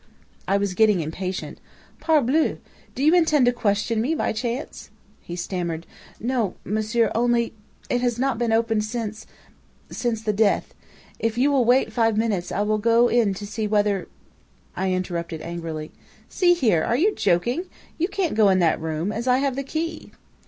"I was getting impatient. "'Parbleu! Do you intend to question me, by chance?' "He stammered: "'No monsieur only it has not been opened since since the death. If you will wait five minutes, I will go in to see whether ' "I interrupted angrily: "'See here, are you joking? You can't go in that room, as I have the key!'